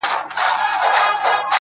ه تا ويل اور نه پرېږدو تنور نه پرېږدو.